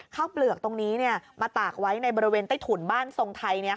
ข้าวเปลือกแบบนี้บางทิศตรงไทย